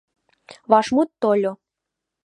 Вашмут тольо!